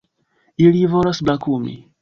Ili volas brakumi!